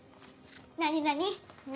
何何？